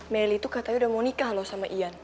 meli tuh katanya udah mau nikah loh sama ian